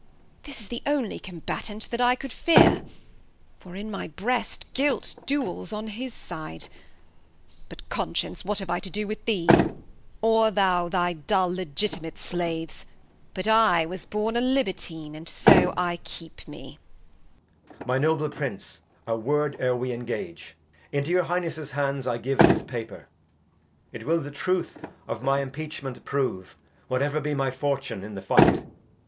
This is the onely Combatant that I cou'd fear ? For in my Breast Guilt Duels on his Side, But, Conscience, what have I to do with thee ? Awe thou thy dull Legitimate Slaves, but I Was born a Libertine, and so I keep me. Edg. My Noble Prince, a Word ; e'er we engage Into your Highness's Hands I give this Paper, It wiU the Truth of my Impeachment prove. What ever be my Fortune in the Fight.